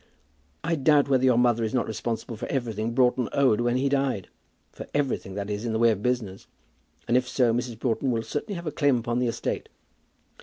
"I doubt whether your mother is not responsible for everything Broughton owed when he died, for everything, that is, in the way of business; and if so, Mrs. Broughton will certainly have a claim upon the estate."